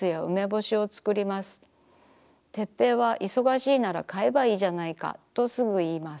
テッペイは忙しいなら買えばいいじゃないかとすぐいいます。